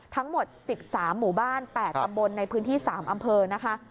ทั้งหมด๑๓หมู่บ้าน๘ตำบลในพื้นที่๓อำเภอนะคะ